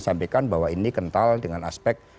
sampaikan bahwa ini kental dengan aspek